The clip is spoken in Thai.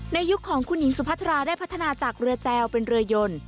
ยุคของคุณหญิงสุพัทราได้พัฒนาจากเรือแจวเป็นเรือยน